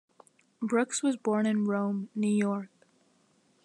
Brooks was born in Rome, New York.